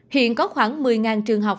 hiện có khoảng một mươi trường học